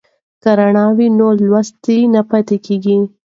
که رڼا وي نو لوستل نه پاتې کیږي.